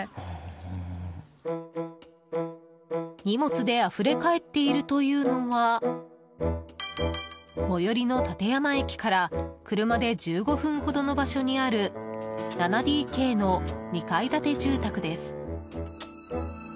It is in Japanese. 荷物であふれかえっているというのは最寄りの館山駅から車で１５分ほどの場所にある７ＤＫの２階建て住宅です。